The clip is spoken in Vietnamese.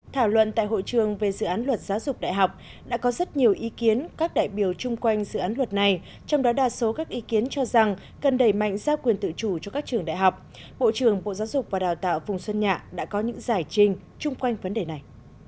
thảo luận tại hội trường về dự án luật giáo dục đại học đã có rất nhiều ý kiến các đại biểu chung quanh dự án luật này trong đó đa số các ý kiến cho rằng cần đẩy mạnh giao quyền tự chủ cho các trường đại học bộ trưởng bộ giáo dục và đào tạo phùng xuân nhạ đã có những giải trình chung quanh vấn đề này